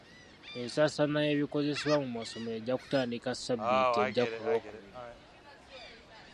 Ensaasaanya y'ebikozesebwa mu masomero ejja kutandika ssabbiiti ejja ku lw'okubiri.